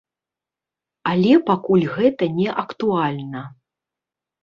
Але пакуль гэта не актуальна.